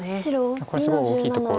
これすごい大きいところです。